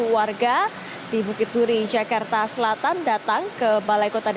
empat puluh tujuh warga di bukit duri jakarta selatan datang ke balai kota jakarta